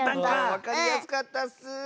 わかりやすかったッス！